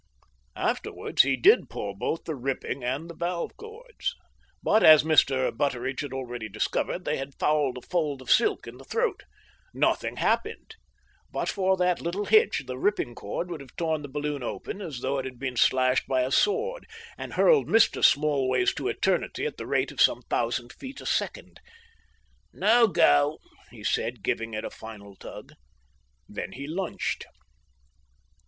Afterwards he did pull both the ripping and the valve cords, but, as Mr. Butteridge had already discovered, they had fouled a fold of silk in the throat. Nothing happened. But for that little hitch the ripping cord would have torn the balloon open as though it had been slashed by a sword, and hurled Mr. Smallways to eternity at the rate of some thousand feet a second. "No go!" he said, giving it a final tug. Then he lunched.